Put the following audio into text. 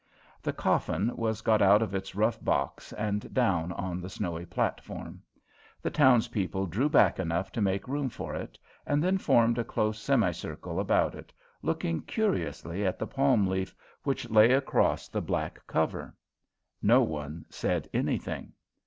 The coffin was got out of its rough box and down on the snowy platform. The townspeople drew back enough to make room for it and then formed a close semicircle about it, looking curiously at the palm leaf which lay across the black cover. No one said anything.